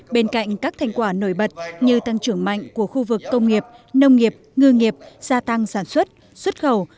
bên cạnh các thành quả nổi bật như tăng trưởng mạnh của khu vực công nghiệp nông nghiệp ngư nghiệp gia tăng sản xuất xuất khẩu